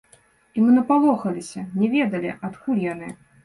І мы напалохаліся, не ведалі, адкуль яны.